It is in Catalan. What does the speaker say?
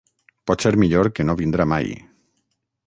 Potser millor que no vindrà mai...